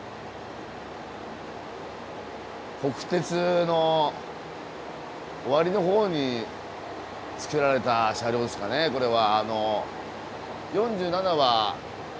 国鉄の終わりの方に造られた車両ですかねこれは。